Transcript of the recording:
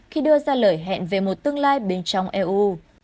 khi đưa ra lời hẹn về một tương lai bên trong eu